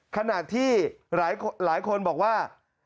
ขณะที่หลายคนบอกว่า